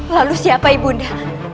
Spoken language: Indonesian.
lalu siapa ibunda